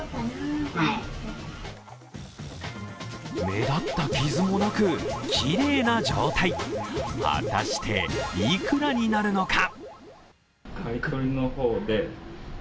目立った傷もなく、きれいな状態果たして、いくらになるのか？